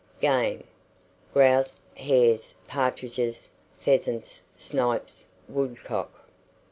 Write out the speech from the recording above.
GAME. Grouse, hares, partridges, pheasants, snipes, woodcock.